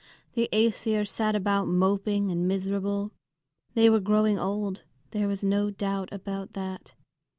The Æsir sat about moping and miserable. They were growing old, there was no doubt about that.